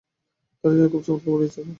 তাহারা দুজনেই খুব চমৎকার বলিয়াছিল।